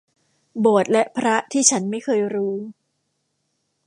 โบสถ์และพระที่ฉันไม่เคยรู้